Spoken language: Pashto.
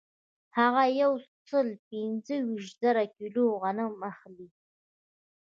هغه یو سل پنځه ویشت زره کیلو غنم اخلي